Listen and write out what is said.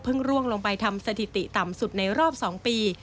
ร่วงลงไปทำสถิติต่ำสุดในรอบ๒ปี